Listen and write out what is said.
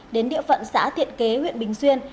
đến địa phận xã tiện kế huyện bình xuyên